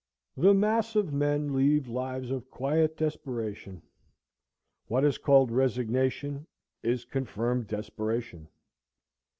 The mass of men lead lives of quiet desperation. What is called resignation is confirmed desperation.